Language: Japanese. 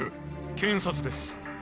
検察です